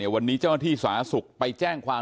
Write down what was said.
วันนี้เจ้าหน้าที่สาธารณสุขไปแจ้งความ